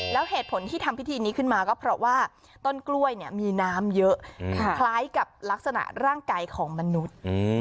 แล้วเหตุผลที่ทำพิธีนี้ขึ้นมาก็เพราะว่าต้นกล้วยเนี่ยมีน้ำเยอะคล้ายกับลักษณะร่างกายของมนุษย์